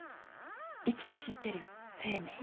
生きとし生ける生命。